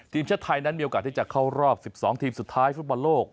ทีมชาติไทยนั้นมีโอกาสที่จะเข้ารอบ๑๒ทีมสุดท้ายฟุตบอลโลก